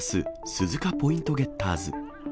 鈴鹿ポイントゲッターズ。